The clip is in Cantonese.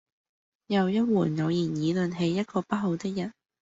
又一回偶然議論起一個不好的人，